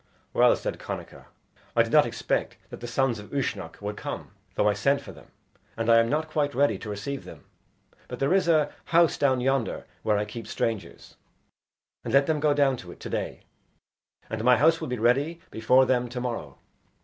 "Well," said Connachar, "I did not expect that the sons of Uisnech would come, though I sent for them, and I am not quite ready to receive them. But there is a house down yonder where I keep strangers, and let them go down to it to day, and my house will be ready before them to morrow."